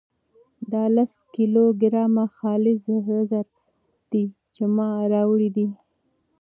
دا لس کيلو ګرامه خالص سره زر دي چې ما راوړي دي.